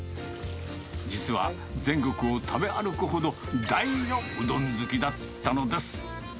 実は全国を食べ歩くほど、大のうどん好きだったのです。